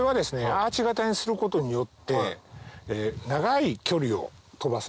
アーチ型にすることによって長い距離を飛ばせる。